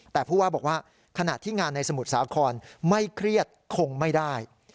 แต่ผู้ว่าบอกว่าขณะที่งานในสมุทรสาครไม่เครียดคงไม่ได้